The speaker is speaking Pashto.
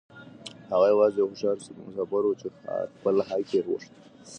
هغه يوازې يو هوښيار مسافر و چې خپل حق يې غوښت.